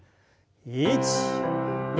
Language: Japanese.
１２。